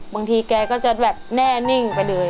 บางทีแกก็จะแบบแน่นิ่งไปเลย